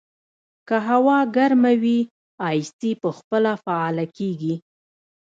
که هوا ګرمه وي، اې سي په خپله فعاله کېږي.